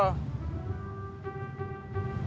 sekarangnya udah di kantor trepel